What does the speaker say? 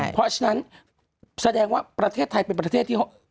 เพราะฉะนั้นแสดงว่าประเทศไทยเป็นประเทศที่เขา